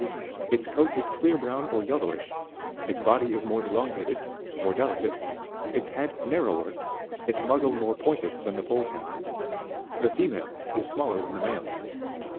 Its coat is clear brown or yellowish ; its body is more elongated, more delicate, its head narrower, its muzzle more pointed than the polecat ; the female is smaller than the male.